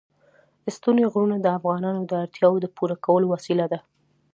ستوني غرونه د افغانانو د اړتیاوو د پوره کولو وسیله ده.